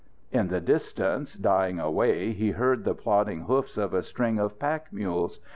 "_ In the distance, dying away, he heard the plodding hoofs of a string of pack mules.